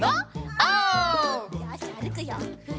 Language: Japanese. よしあるくよ！